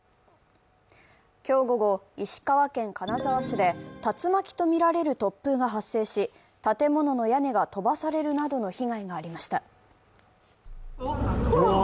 今日午後、石川県金沢市で竜巻とみられる突風が発生し、建物の屋根が飛ばされるなどの被害がありました。